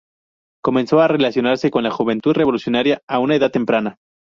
Comenzó a relacionarse con la juventud revolucionaria a una edad temprana.